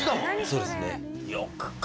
そうですね。